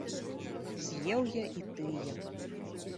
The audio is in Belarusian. З'еў я і тыя.